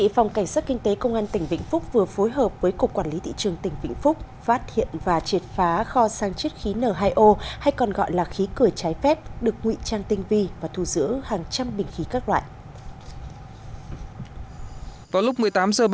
phòng cảnh sát kinh tế công an tỉnh vĩnh phúc vừa phối hợp với cục quản lý thị trường tỉnh vĩnh phúc phát hiện và triệt phá kho sang chất khí n hai o hay còn gọi là khí cửa trái phép được nguy trang tinh vi và thu giữ hàng trăm bình khí các loại